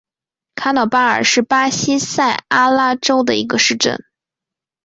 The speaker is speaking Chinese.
卡瑙巴尔是巴西塞阿拉州的一个市镇。